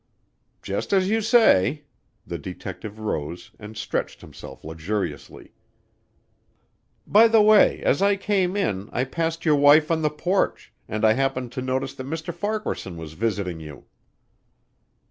"Just as you say." The detective rose and stretched himself luxuriously. "By the way as I came in, I passed your wife on the porch, and I happened to notice that Mr. Farquaharson was visiting you."